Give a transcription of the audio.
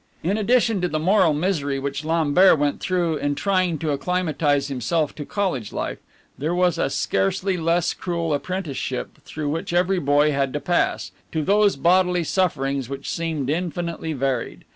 In addition to the moral misery which Lambert went through in trying to acclimatize himself to college life, there was a scarcely less cruel apprenticeship through which every boy had to pass: to those bodily sufferings which seemed infinitely varied.